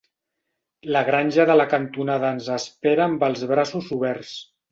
La granja de la cantonada ens espera amb els braços oberts.